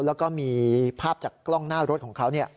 แล้วก็มีภาพจากกล้องหน้ารถของเขา